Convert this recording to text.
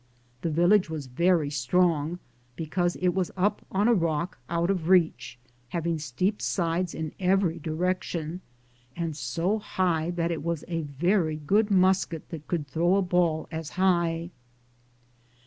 The village was very strong, because it was up on a rock out of roach, having steep sides in every direction, and so high that it was a very good musket that could throw a ball as high.